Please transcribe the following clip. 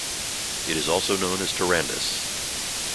It is also known as Tarandus.